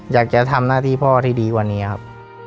อยากจะทำหน้าที่พ่อที่ดีกว่านี้ครับ